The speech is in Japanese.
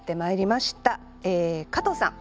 加藤さん